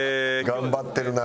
頑張ってるな。